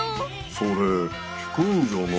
それ引くんじゃないの？